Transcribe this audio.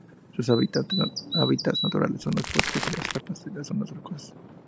Sus hábitats naturales son los bosques, las estepas y las zonas rocosas.